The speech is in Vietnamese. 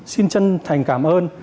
xin chân thành cảm ơn